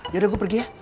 ya udah gue pergi ya